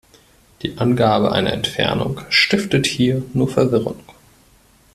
Die Angabe einer Entfernung stiftet hier nur Verwirrung.